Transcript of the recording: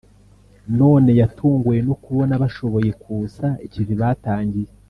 none yatunguwe no kubona bashoboye kusa ikivi batangiye